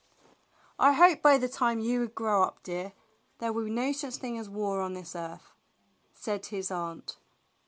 "I hope by the time you grow up, dear, there will be no such thing as war on this earth," said his aunt.